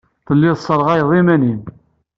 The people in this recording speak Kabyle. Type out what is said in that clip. Telliḍ tesserɣayeḍ iman-nnem.